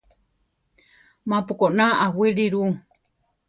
Ma-pu koná aʼwíli ru.